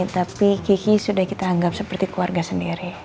tapi kiki sudah kita anggap seperti keluarga sendiri